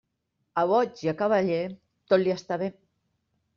A boig i a cavaller, tot li està bé.